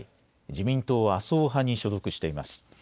自民党麻生派に所属しています。